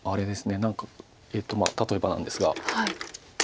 何か例えばなんですが。